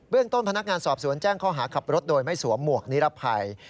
เรื่องต้นพนักงานสอบสวนแจ้งข้อหาขับรถโดยไม่สวมหมวกนิรภัย